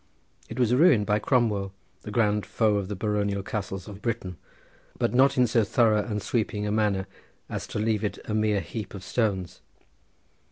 It was ruined by Cromwell, the grand foe of the baronial castles of Britain, but not in so thorough and sweeping a manner as to leave it a mere heap of stones.